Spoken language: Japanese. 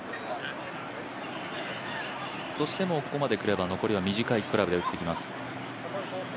そしてもうここまで来れば残りは短いクラブで打ってきます。